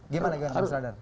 gimana gak mas radar